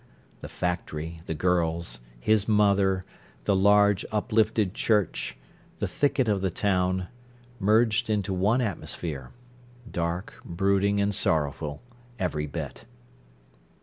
The factory, the girls, his mother, the large, uplifted church, the thicket of the town, merged into one atmosphere—dark, brooding, and sorrowful, every bit.